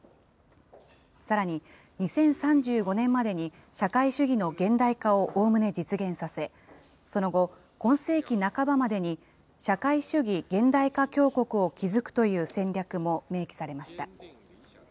さらに、２０３５年までに社会主義の現代化をおおむね実現させ、その後、今世紀半ばまでに社会主義現代化強国を築くという戦略も明記されました。